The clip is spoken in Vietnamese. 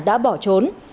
đã bỏ trốn